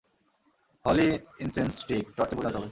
Holi incense stick, টর্চে পরিনত হবে।